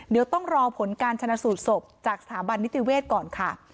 เดี๋ยวต้องรอผลการชนะสูตรศพจากสถาบันนิติเวศก่อนค่ะ